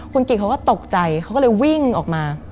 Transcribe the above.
คุณกิจเขาก็ตกใจเขาก็เลยวิ่งออกมา